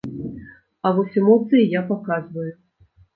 А вось эмоцыі я паказваю.